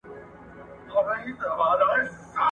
اوس زما د ونو تنې ډبلې شوې دي.